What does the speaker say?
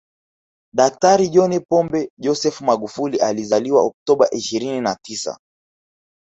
Daktari John Pombe Joseph Magufuli alizaliwa Oktoba ishirini na tisa